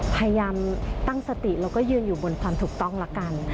พยายามตั้งสติแล้วก็ยืนอยู่บนความถูกต้องละกัน